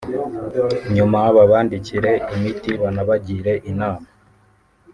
nyuma babandikire imiti banabagire inama